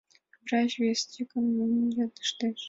Врач вес тӱкын йодыштеш: